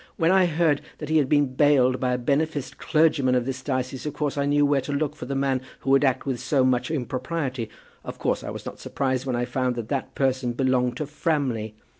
When I heard that he had been bailed by a beneficed clergyman of this diocese, of course I knew where to look for the man who would act with so much impropriety. Of course I was not surprised when I found that that person belonged to Framley.